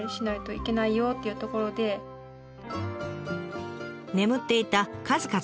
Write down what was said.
眠っていた数々の古道。